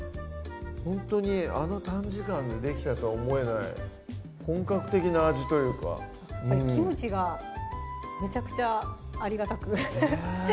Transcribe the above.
ほんとにあの短時間でできたとは思えない本格的な味というかキムチがめちゃくちゃありがたくねっ！